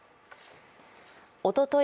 おととい